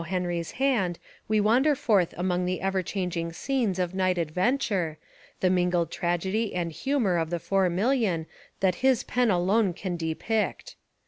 Henry's hand we wander forth among the ever changing scenes of night adventure, the mingled tragedy and humour of The Four Million that his pen alone can depict.